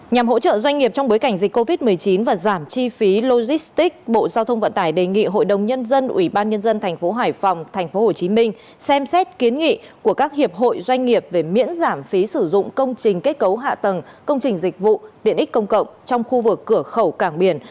nhằm hỗ trợ doanh nghiệp trong bối cảnh dịch covid một mươi chín và giảm chi phí logistics bộ giao thông vận tải đề nghị hội đồng nhân dân ủy ban nhân dân tp hải phòng tp hcm xem xét kiến nghị của các hiệp hội doanh nghiệp về miễn giảm phí sử dụng công trình kết cấu hạ tầng công trình dịch vụ tiện ích công cộng trong khu vực cửa khẩu cảng biển